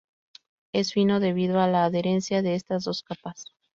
Es fino debido a la adherencia de estas dos capas.